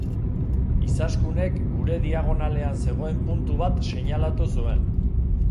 Izaskunek gure diagonalean zegoen puntu bat seinalatu zuen.